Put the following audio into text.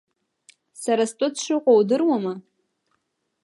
Сара стәы дшыҟоу удыруама?